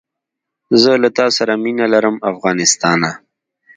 زه له تاسره مینه لرم افغانستانه